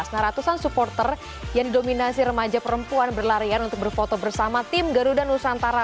nah ratusan supporter yang didominasi remaja perempuan berlarian untuk berfoto bersama tim garuda nusantara